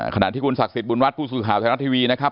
ขณะที่คุณศักดิ์สิทธิบุญรัฐผู้สื่อข่าวไทยรัฐทีวีนะครับ